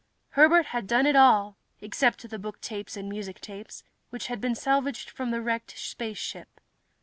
Herbert had done it all, except the booktapes and musictapes, which had been salvaged from the wrecked spaceship.